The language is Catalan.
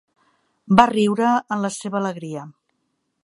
Va riure en la seva alegria.